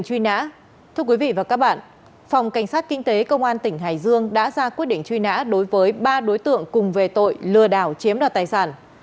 thưa quý vị và các bạn phòng cảnh sát kinh tế công an tỉnh hải dương đã ra quyết định truy nã đối với ba đối tượng cùng về tội lừa đảo chiếm đoạt tài sản